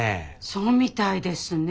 そうみたいですね。